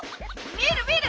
見る見る！